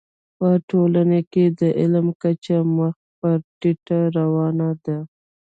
په ټولنه کي د علم کچه مخ پر ټيټه روانه ده.